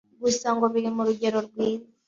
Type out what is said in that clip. Gusa ngo biri mu rugero rwiza